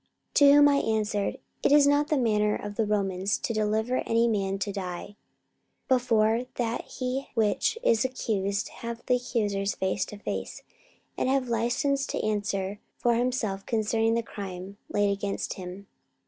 44:025:016 To whom I answered, It is not the manner of the Romans to deliver any man to die, before that he which is accused have the accusers face to face, and have licence to answer for himself concerning the crime laid against him.